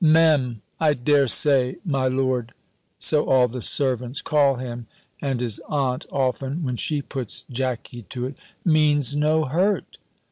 "Me'm, I dare say, my lord" (so all the servants call him, and his aunt often, when she puts Jackey to it), "means no hurt."